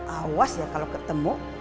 awas ya kalau ketemu